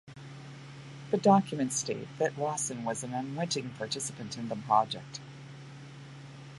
The documents state that Wasson was an 'unwitting' participant in the project.